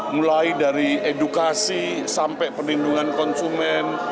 mulai dari edukasi sampai perlindungan konsumen